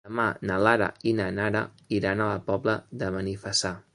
Demà na Lara i na Nara iran a la Pobla de Benifassà.